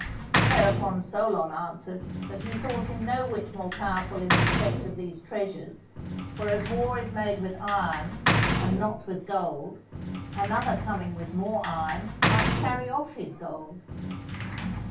Whereupon Solon answered that he thought him no whit more powerful in respect of these treasures, for as war is made with iron and not with gold, another coming with more iron might carry off his gold.